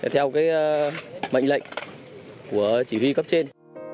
theo mệnh lệnh của chỉ huy cấp trên